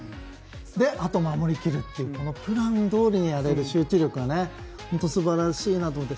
あとは守りきるっていうプランどおりにやれる集中力が素晴らしいなと思って。